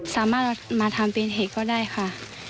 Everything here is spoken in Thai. สามารถมาทำเป็นเห็ดก็ได้ค่ะ